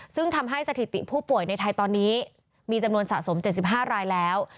ซึ่งทำให้สถิติผู้ป่วยในไทยตอนนี้มีจำนวนสะสม๗๕รายแล้ว